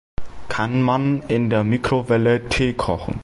Kann man in der Mikrowelle Tee kochen?